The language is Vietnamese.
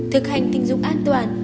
thực hành tình dục an toàn